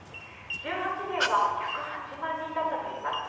１８年は１０８万人だったといいます。